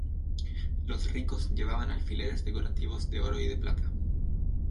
Los ricos llevaban alfileres decorativos de oro y de plata.